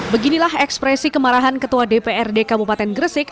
beginilah ekspresi kemarahan ketua dprd kabupaten gresik